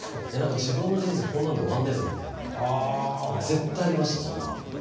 自分の人生こんなんで終わんねえぞみたいな絶対ありましたそれは。